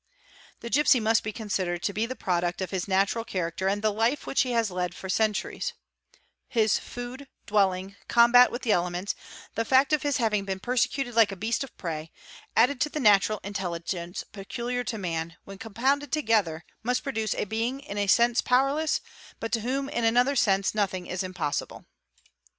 : 2 gipsy must be considered to be the product of his natural * er and the life which he has led for centuries: his food, dwelling, fi 360 WANDERING TRIBES combat with the elements, the fact of his having been persecuted like a q beast of prey, added to the natural intelligence peculiar to man, when com — pounded together must produce a being in a sense powerless but to whom in another sense nothing is impossible.